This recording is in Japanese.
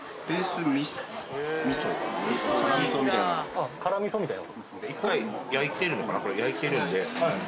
ああ辛味噌みたいな。